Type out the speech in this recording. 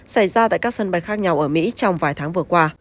xảy ra tại các sân bay khác nhau ở mỹ trong vài tháng vừa qua